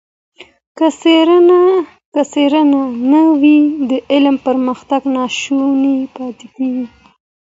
که څېړنه نه وي د علم پرمختګ ناشونی دی.